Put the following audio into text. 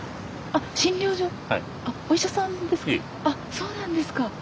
そうなんですか。